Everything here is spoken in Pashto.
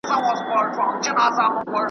او خلک یې پوهي او شاعری ته ګوته په غاښ ونیسي .